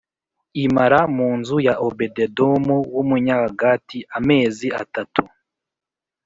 Imara mu nzu ya Obededomu w’Umunyagati amezi atatu